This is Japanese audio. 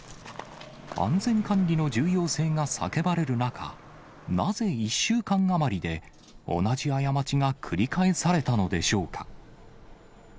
安全管理の重要性が叫ばれる中、なぜ１週間余りで、同じ過ちが繰り返されたのでしょうか。